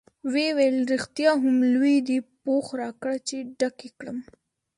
ویې ویل: رښتیا هم لوی دی، پوښ راکړه چې ډک یې کړم.